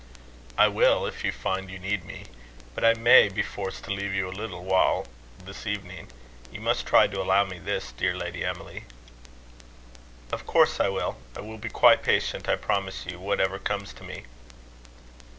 "I will, if you find you need me. But I may be forced to leave you a little while this evening you must try to allow me this, dear Lady Emily." "Of course I will. I will be quite patient, I promise you, whatever comes to me."